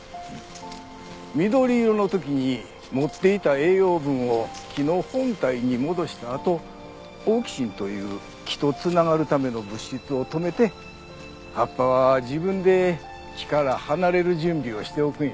緑色の時に持っていた栄養分を木の本体に戻したあとオーキシンという木と繋がるための物質を止めて葉っぱは自分で木から離れる準備をしておくんや。